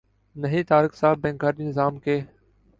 نہیں طارق صاحب بینک کاری نظام کے